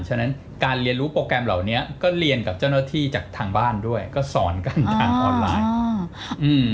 ฉะนั้นการเรียนรู้โปรแกรมเหล่านี้ก็เรียนกับเจ้าหน้าที่จากทางบ้านด้วยก็สอนกันทางออนไลน์